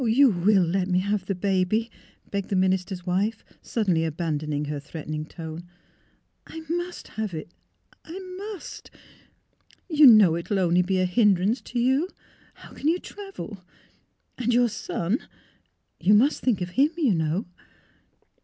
" You will let me have the baby," begged the minister's wife, suddenly abandoning her threat ening tone. " I — must have it — I must! You know it will only be a hindrance to you. How can you travel? And your son — you must think of him, you know."